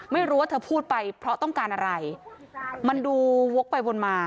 ไม่รู้ว่าเธอพูดไปเพราะต้องการอะไรมันดูวกไปวนมา